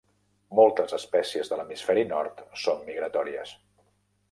Moltes espècies de l'hemisferi nord són migratòries.